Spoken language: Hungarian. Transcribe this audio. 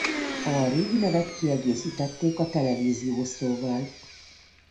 A régi nevet kiegészítették a televízió szóval.